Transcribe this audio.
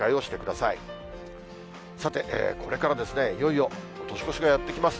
さて、これからですね、いよいよ年越しがやって来ます。